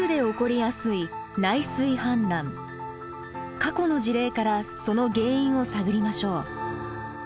過去の事例からその原因を探りましょう。